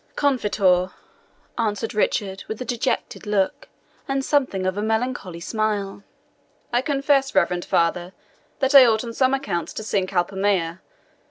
"CONFITEOR," answered Richard, with a dejected look, and something of a melancholy smile "I confess, reverend father, that I ought on some accounts to sing CULPA MEA.